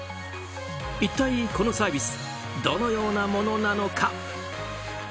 一体このサービスどのようなものなのか。